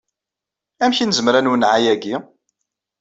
Amek i nezmer ad nwenneɛ ayagi?